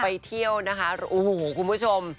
ไปเที่ยวนะคะโอ้โหคุณผู้ชม